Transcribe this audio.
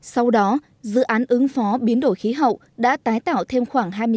sau đó dự án ứng phó biến đổi khí hậu đã tái tạo thêm khoảng